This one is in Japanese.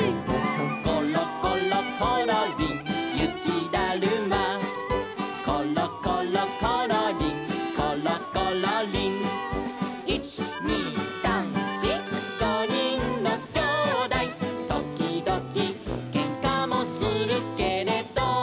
「ころころころりんゆきだるま」「ころころころりんころころりん」「いちにさんしごにんのきょうだい」「ときどきけんかもするけれど」